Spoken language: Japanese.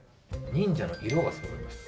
忍者の色がそろいました。